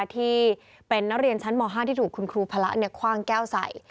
ที่เป็นนักเรียนชั้นม๕ที่ถูกคุณครูพระคว่างแก้วใส่